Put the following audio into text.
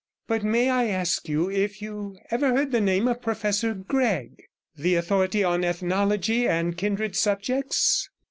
'But may I ask you if you ever heard the name of Professor Gregg, the authority on ethnology and kindred subjects?'